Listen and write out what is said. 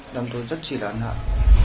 làm tôi rất chịu đau ấn hợp